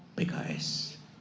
sebagaimana yang berhasil